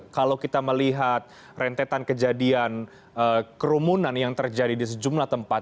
kalau kita melihat rentetan kejadian kerumunan yang terjadi di sejumlah tempat